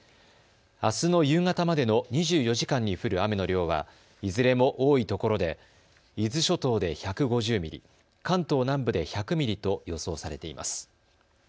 あすの夕方までの２４時間に降る雨の量はいずれも多いところで伊豆諸島で１５０ミリ、関東南部で１００ミリと予想されています。